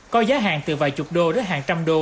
có giá hàng từ vài chục đô đến hàng trăm đô